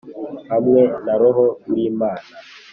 hamwe na roho w’imana